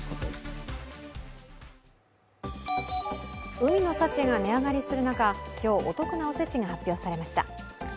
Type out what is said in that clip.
海の幸が値上がりする中、今日、お得なお節が発表されました。